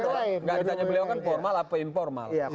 kalau ditanya beliau kan formal apa informal